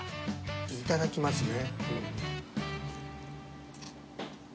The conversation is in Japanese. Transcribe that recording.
いただきますね。